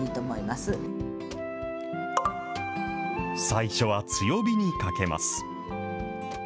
最初は強火にかけます。